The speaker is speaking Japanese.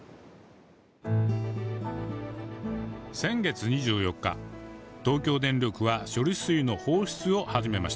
先月２４日、東京電力は処理水の放出を始めました。